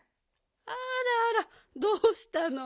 あらあらどうしたの？